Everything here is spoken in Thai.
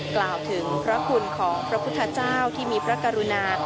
กล่าวถึงพระคุณของพระพุทธเจ้าที่มีพระกรุณา